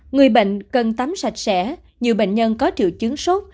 người bệnh cần tắm sạch sẽ nhiều bệnh nhân có triệu chứng sốt